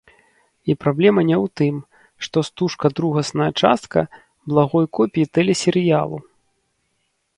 І праблема не ў тым, што стужка другасная частка благой копіі тэлесерыялу.